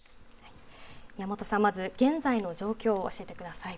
宮本さん、まず現在の状況を教えてください。